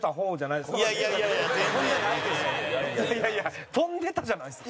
いやいやいや飛んでたじゃないですか。